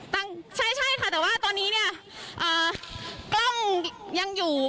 ใช่ใช่ค่ะแต่ว่าตอนนี้เนี่ยกล้องยังอยู่